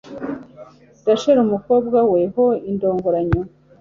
Rasheli umukobwa we ho indongoranyo